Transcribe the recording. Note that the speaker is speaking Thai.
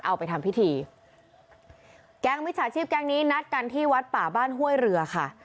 เอาไปทำพิธีแก๊งมิจฉาชีพแก๊งนี้นัดกันที่วัดป่าบ้านห้วยเรือค่ะ